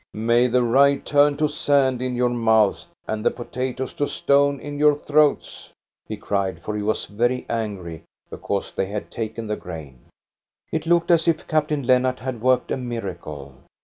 " May the rye turn to sand in your mouths, and the GOD'S WAYFARER 349 potatoes to stone in your throats !" he cried, for he was very angry because they had taken the grain. It looked as if Captain Lennart had worked a miracle.